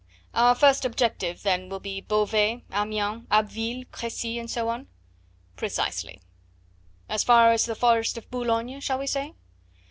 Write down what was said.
"Our first objective then will be Beauvais, Amiens, Abbeville, Crecy, and so on?" "Precisely." "As far as the forest of Boulogne, shall we say?"